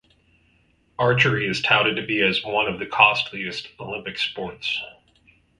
Archery is touted to be as one of the costliest Olympic sports.